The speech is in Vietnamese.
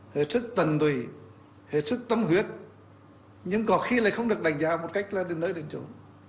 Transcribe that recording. huyệt sức tần tùy huyệt sức tâm huyết nhưng có khi lại không được đánh giá một cách là đến nơi đến chỗ